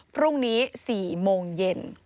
พรุ่งนี้๔โมงเย็น